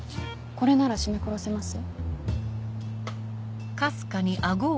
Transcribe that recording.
これなら絞め殺せます？